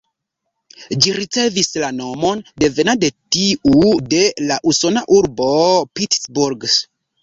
Ĝi ricevis la nomo devena de tiu de la usona urbo Pittsburgh.